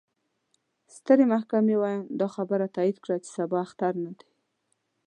ستر محكمې وياند: دا خبره تايد کړه، چې سبا اختر نه دې.